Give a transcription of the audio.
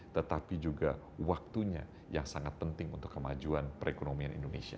tetapi juga waktunya yang sangat penting untuk kemajuan perekonomian indonesia